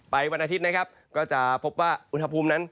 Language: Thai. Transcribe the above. วันอาทิตย์นะครับก็จะพบว่าอุณหภูมินั้น